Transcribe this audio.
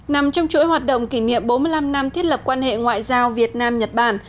nằm trong chuỗi hoạt động kỷ niệm bốn mươi năm năm thiết lập quan hệ ngoại giao việt nam nhật bản